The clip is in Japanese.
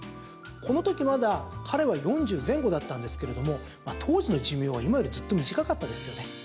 この時、まだ彼は４０前後だったんですけれども当時の寿命は今よりずっと短かったですよね。